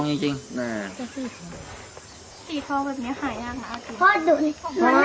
นี่เห็นจริงตอนนี้ต้องซื้อ๖วัน